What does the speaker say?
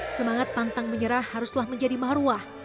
semangat pantang menyerah haruslah menjadi maruah